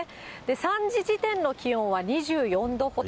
３時時点の気温は２４度ほど。